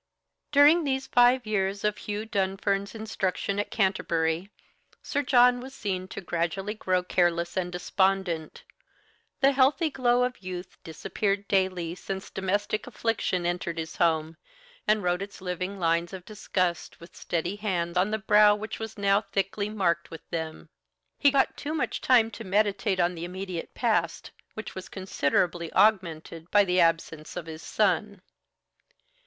During these five years of Hugh Dunfern's instruction at Canterbury, Sir John was seen to gradually grow careless and despondent. The healthy glow of youth disappeared daily since domestic affliction entered his home, and wrote its living lines of disgust with steady hand on the brow which was now thickly marked with them. He got too much time to meditate on the immediate past, which was considerably augmented by the absence of his son.